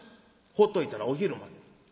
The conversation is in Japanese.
ほっといたらお昼まで。